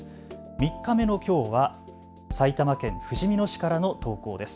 ３日目のきょうは埼玉県ふじみ野市からの投稿です。